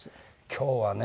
今日はね